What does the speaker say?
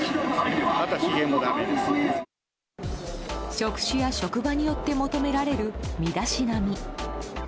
職種や職場によって求められる身だしなみ。